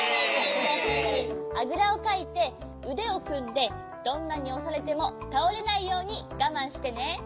あぐらをかいてうでをくんでどんなにおされてもたおれないようにがまんしてね。